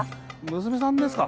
娘さんですか？